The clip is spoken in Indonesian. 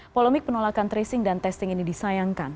polemik penolakan tracing dan testing ini disayangkan